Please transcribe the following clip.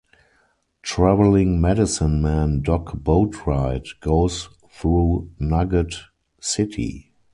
Traveling medicine man Doc Boatwright goes through Nugget City.